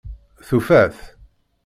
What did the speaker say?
Tufa-t?